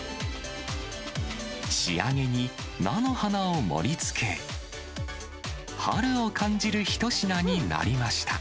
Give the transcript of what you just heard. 仕上げに、菜の花を盛りつけ、春を感じる一品になりました。